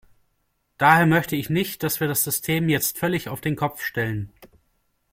Daher möchte ich nicht, dass wir das System jetzt völlig auf den Kopf stellen.